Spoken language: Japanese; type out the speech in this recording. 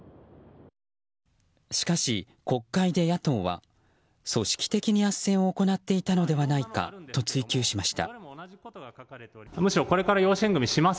しかし、国会で野党は組織的にあっせんを行っていたのではないかと追及しました。